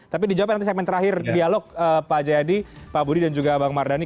tapi dijawabkan nanti segmen terakhir dialog pak jayadi pak budi dan juga bang mardhani